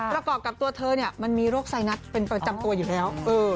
แล้วกับกับตัวเธอเนี่ยมันมีโรคไซนัสเป็นจำตัวอยู่แล้ว